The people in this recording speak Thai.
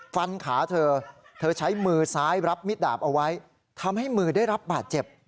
ฟันขาเธอเธอใช้มือซ้ายรับมิดดาบเอาไว้ทำให้มือได้รับบาดเจ็บ